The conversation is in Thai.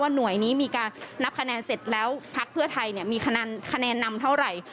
หน่วยนี้มีการนับคะแนนเสร็จแล้วพักเพื่อไทยมีคะแนนนำเท่าไหร่